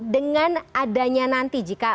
dengan adanya nanti jika